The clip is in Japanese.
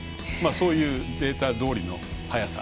そういうデータどおりの速さ。